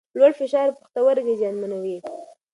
لوړ فشار پښتورګي زیانمنوي.